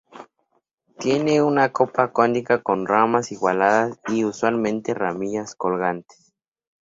Tiene una copa cónica con ramas igualadas y usualmente ramillas colgantes.